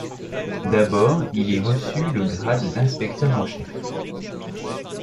D'abord il y reçut le grade d’inspecteur en chef.